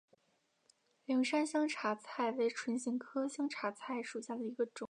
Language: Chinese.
凉山香茶菜为唇形科香茶菜属下的一个种。